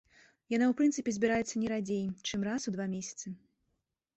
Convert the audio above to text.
Яна ў прынцыпе збіраецца не радзей, чым раз у два месяцы.